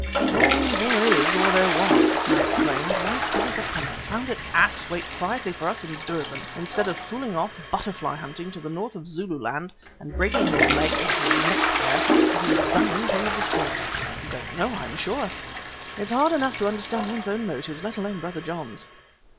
"Oh! there is, or there was," I explained. "Why couldn't the confounded ass wait quietly for us at Durban instead of fooling off butterfly hunting to the north of Zululand and breaking his leg or his neck there if he has done anything of the sort?" "Don't know, I am sure. It's hard enough to understand one's own motives, let alone Brother John's."